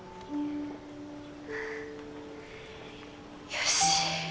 よし。